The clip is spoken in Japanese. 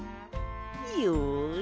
よし！